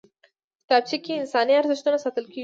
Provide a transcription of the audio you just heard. کتابچه کې انساني ارزښتونه ساتل کېږي